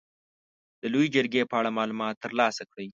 د لويې جرګې په اړه معلومات تر لاسه کړئ.